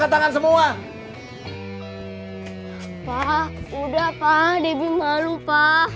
ah debbie malu pak